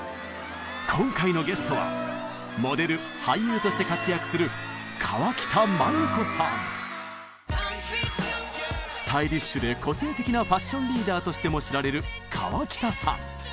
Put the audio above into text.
今回のゲストはモデル俳優として活躍するスタイリッシュで個性的なファッションリーダーとしても知られる河北さん。